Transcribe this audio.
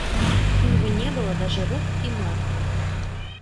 У него не было даже рук и ног.